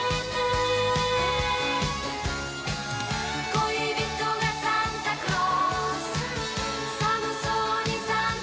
「恋人がサンタクロース寒そうにサンタクロース」